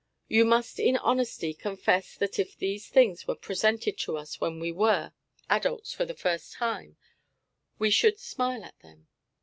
You must in honesty confess that if these things were presented to us when we were, adults for the first time, we should smile at them.